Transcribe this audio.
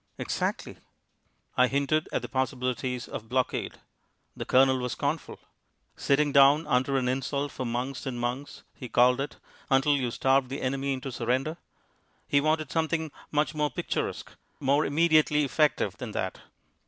"Exactly." I hinted at the possibilities of blockade. The Colonel was scornful. "Sitting down under an insult for months and months," he called it, until you starved the enemy into surrender. He wanted something much more picturesque, more immediately effective than that.